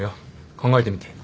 考えてみて。